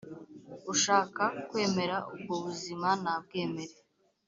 ushaka kwemera ubwo buzima nabwemere